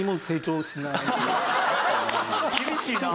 厳しいなあ。